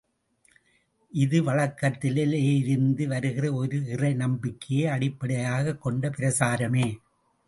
இது வழக்கத்திலே இருந்து வருகிற ஒரு இறை நம்பிக்கையை அடிப்படையாகக் கொண்ட பிரசாரமே.